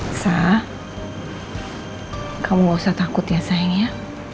elsa kamu gak usah takut ya sayang ya